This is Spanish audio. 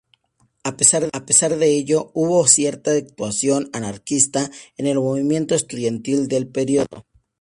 A pesar de ello, hubo cierta actuación anarquista en el movimiento estudiantil del período.